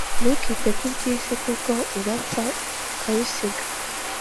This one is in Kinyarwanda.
Ntukite kubyisi kuko urapfa ukabisiga